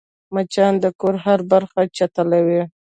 مچان د کور هره برخه چټلوي